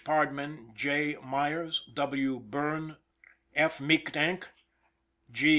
Pardman, J. Meiyers, W. Burnn, F. Meekdank, G.